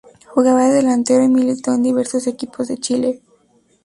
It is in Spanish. Jugaba de delantero y militó en diversos equipos de Chile.